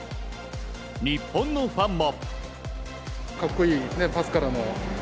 日本のファンも。